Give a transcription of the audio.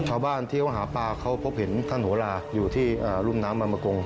ชาวบ้านที่เขาหาปลาเขาพบเห็นท่านโหลาอยู่ที่รุ่มน้ำบามกง